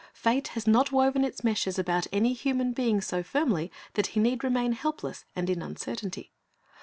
Fate has not woven its meshes about any human being so firmly that he need remain helpless and in uncertainty.